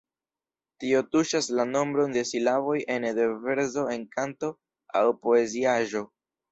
Tio tuŝas la nombron de silaboj ene de verso en kanto aŭ poeziaĵo.